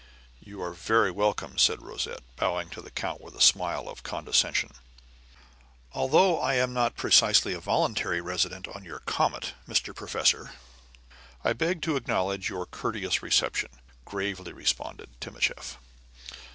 "You are very welcome," said Rosette, bowing to the count with a smile of condescension. "Although I am not precisely a voluntary resident on your comet, Mr. Professor, I beg to acknowledge your courteous reception," gravely responded Timascheff.